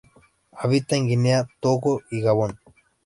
Habita en Guinea, Togo y Gabón.